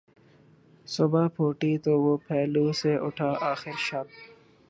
صبح پھوٹی تو وہ پہلو سے اٹھا آخر شب